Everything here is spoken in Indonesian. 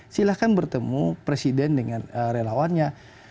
silahkan bertemu presiden dengan relawannya